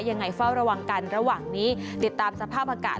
ยังไงเฝ้าระวังกันระหว่างนี้ติดตามสภาพอากาศ